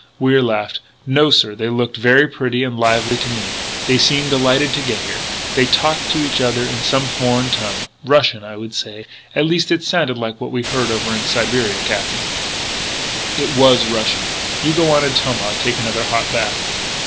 Wier laughed: "No, sir, they looked very pretty and lively to me. They seemed delighted to get here. They talked to each other in some foreign tongue Russian, I should say at least, it sounded like what we heard over in Siberia, Captain " "It was Russian.... You go on and tell me while I take another hot bath!